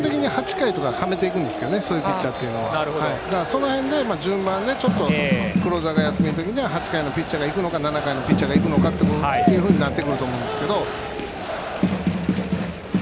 基本的に８回とかそういうピッチャーははめていくんですけどその辺で順番がクローザーが休みの時には８回のピッチャーが行くのか７回のピッチャーが行くのかとなってくると思うんですけど。